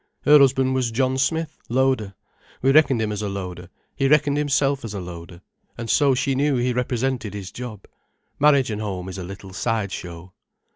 "Her husband was John Smith, loader. We reckoned him as a loader, he reckoned himself as a loader, and so she knew he represented his job. Marriage and home is a little side show.